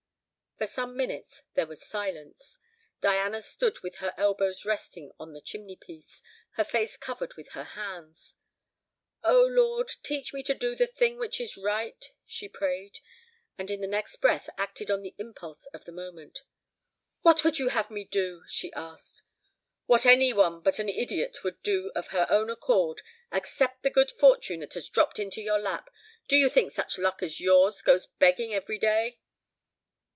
For some minutes there was silence. Diana stood with her elbows resting on the chimneypiece, her face covered with her hands. "O Lord, teach me to do the thing which is right!" she prayed, and in the next breath acted on the impulse of the moment. "What would you have me do?" she asked. "What any one but an idiot would do of her own accord accept the good fortune that has dropped into your lap. Do you think such luck as yours goes begging every day?"